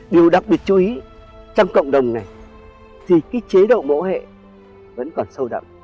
điều đặc biệt chú ý trong cộng đồng này thì cái chế độ mẫu hệ vẫn còn sâu đậm